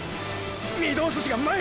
御堂筋が前へ！！